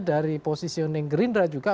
dari posisi undang gerindra juga